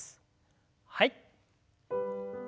はい。